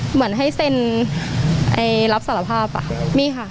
เหมือนให้เซ็นรับสารภาพอ่ะมีค่ะ